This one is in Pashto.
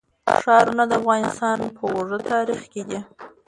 ښارونه د افغانستان په اوږده تاریخ کې دي.